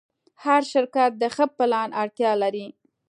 هر شرکت د ښه پلان اړتیا لري.